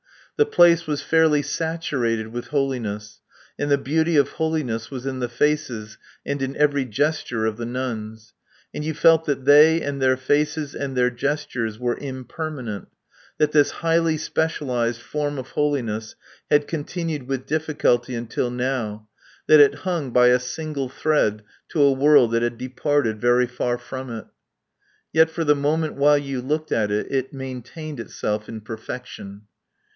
The place was fairly saturated with holiness, and the beauty of holiness was in the faces and in every gesture of the nuns. And you felt that they and their faces and their gestures were impermanent, that this highly specialized form of holiness had continued with difficulty until now, that it hung by a single thread to a world that had departed very far from it. Yet, for the moment while you looked at it, it maintained itself in perfection.